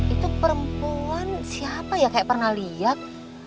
itu perempuan siapa ya kayak pernah lihat